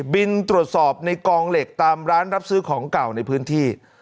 บินตรวจสอบในกองเหล็กตามร้านรับซื้อของเก่าในพื้นที่